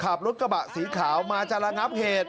ขับรถกระบะสีขาวมาจะระงับเหตุ